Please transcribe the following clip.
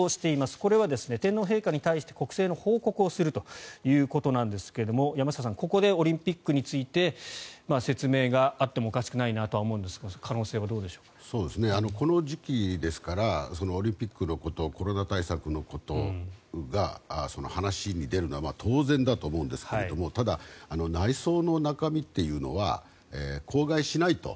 これは天皇陛下に対して国政の報告をするということなんですが山下さん、ここでオリンピックについて説明があってもおかしくないなとは思うんですがこの時期ですからオリンピックのことコロナ対策のことが話に出るのは当然だと思うんですけどもただ、内奏の中身というのは口外しないと。